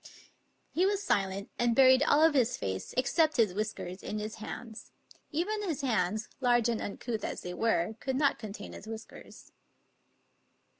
He was silent, and buried all of his face, except his whis kers, in his hands. Even his hands, large and uncouth as they were, could not contain his whiskers.